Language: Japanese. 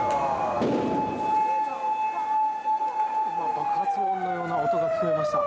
今、爆発音のような音が聞こえました。